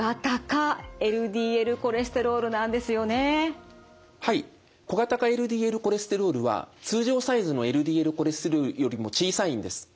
これがはい小型化ＬＤＬコレステロールは通常サイズのＬＤＬコレステロールよりも小さいんです。